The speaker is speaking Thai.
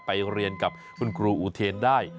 ไปเรียนกับคุณครูอูเทนได้